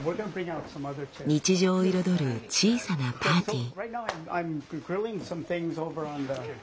日常を彩る小さなパーティー。